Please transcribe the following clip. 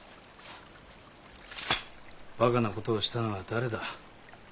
馬鹿な事をしたのは誰だ？